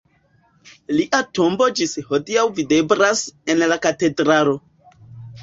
Lia tombo ĝis hodiaŭ videblas en la katedralo.